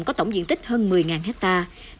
có tổng diện tích hơn một mươi hectare